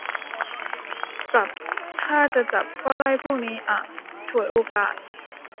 กับถ้าจะจับก็ไล่พวกนี้อะ ฉวยโอกาส